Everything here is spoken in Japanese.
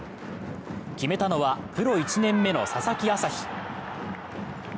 決めたのはプロ１年目の佐々木旭。